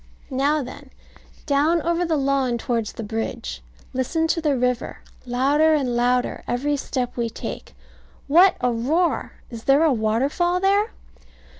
Now then, down over the lawn towards the bridge. Listen to the river, louder and louder every step we take. What a roar! Is there a waterfall there?